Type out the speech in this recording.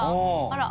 あら。